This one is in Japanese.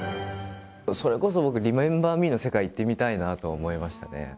それこそ僕「リメンバー・ミー」の世界行ってみたいなと思いましたね。